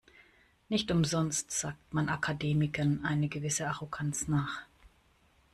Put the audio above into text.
Nicht umsonst sagt man Akademikern eine gewisse Arroganz nach.